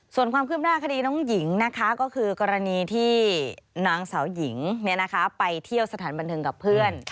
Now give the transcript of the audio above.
ส่วนความคืบหน้าคดีน้องหญิงนะคะก็คือกรณีที่นางสาวหญิงไปเที่ยวสถานบันเทิงกับเพื่อน